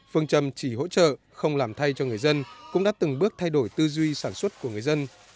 phương châm chỉ hỗ trợ không làm thay cho người dân cũng đã từng bước thay đổi tư duy sản xuất của người dân